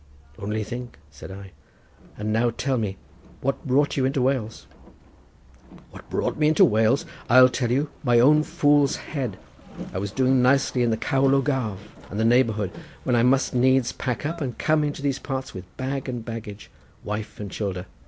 "Only think," said I. "And now tell me, what brought you into Wales?" "What brought me into Wales? I'll tell you; my own fool's head. I was doing nicely in the Kaulo Gav and the neighbourhood, when I must needs pack up and come into these parts with bag and baggage, wife and childer.